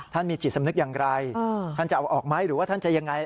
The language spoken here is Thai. มีจิตสำนึกอย่างไรท่านจะเอาออกไหมหรือว่าท่านจะยังไง